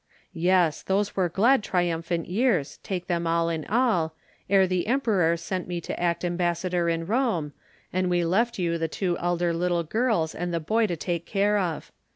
"Yes, those were glad triumphant years, take them all in all, ere the Emperor sent me to act ambassador in Rome, and we left you the two elder little girls and the boy to take care of.